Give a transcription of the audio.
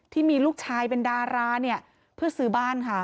ที่มีลูกชายเป็นดาราเนี่ยเพื่อซื้อบ้านค่ะ